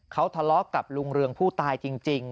เขาทะเลาะกับลุงเรืองผู้ตายจริง